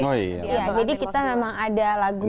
iya jadi kita memang ada lagu yang